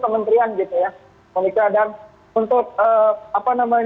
kanan kiri musim nasional ini merupakan gedung kementerian